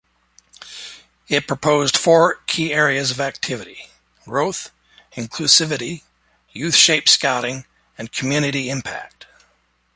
It proposed four key areas of activity: Growth, Inclusivity, Youth-Shaped Scouting and Community Impact.